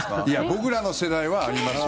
僕らの世代はありますよ。